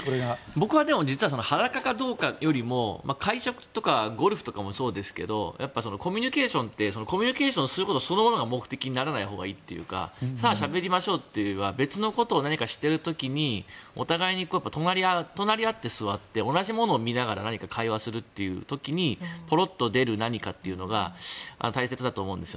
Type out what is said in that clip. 僕は実は裸かどうかというよりも会食とかゴルフとかもそうですけどコミュニケーションってコミュニケーションすることそのものが目的にならないほうがいいというかさあしゃべりましょうというよりは別のことを何かしている時にお互いに隣り合って座って同じものを見ながら何か会話するという時にポロッと出る何かというのが大切だと思うんです。